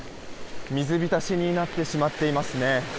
水浸しになってしまっていますね。